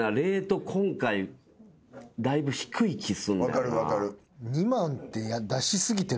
分かる分かる。